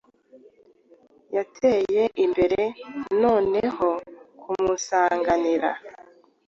yateye imbere noneho kumusanganira